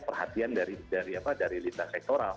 perhatian dari apa dari lita sektoral